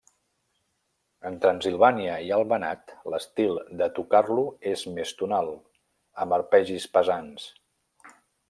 En Transsilvània i el Banat, l'estil de tocar-lo és més tonal, amb arpegis pesants.